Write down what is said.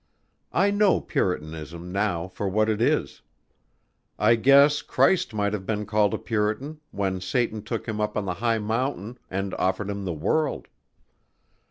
I know puritanism now for what it is. I guess Christ might have been called a puritan, when Satan took him up on the high mountain and offered him the world."